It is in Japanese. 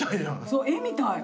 絵みたい。